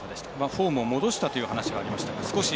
フォームを戻したというお話がありました。